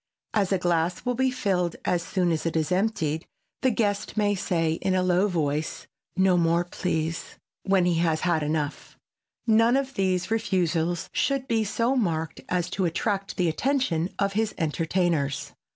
As a glass will be filled as soon as emptied, the guest may say in a low voice, "No more, please!" when he has had enough. None of these refusals should be so marked as to attract the attention of his entertainers.